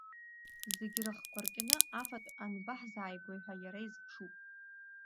Зегьы рыхқәа ркьны афатә анбаҳзааигои ҳәа иара изԥшуп.